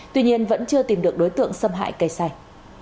tuy nhiên vẫn chưa tìm được đối tượng xâm hại cây xanh